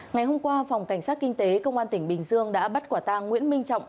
ngày hôm qua phòng cảnh sát kinh tế công an tỉnh bình dương đã bắt quả tang nguyễn minh trọng